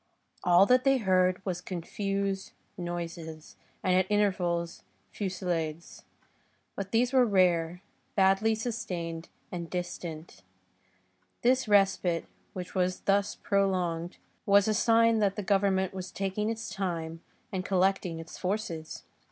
All that they heard was confused noises, and at intervals, fusillades; but these were rare, badly sustained and distant. This respite, which was thus prolonged, was a sign that the Government was taking its time, and collecting its forces.